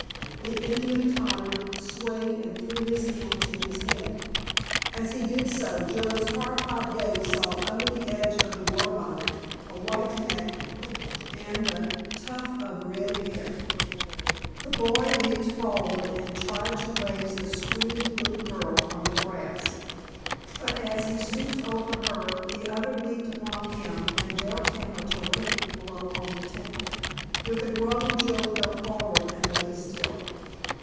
The Indian tottered, swayed and threw his hand to his head. As he did so Joe's horrified gaze saw under the edge of the war bonnet a white neck and a tuft of red hair. The boy leaped forward and tried to raise the screaming little girl from the grass. But as he stooped over her the other leaped upon him and dealt him a terrific blow on the temple. With a groan Joe fell forward and lay still.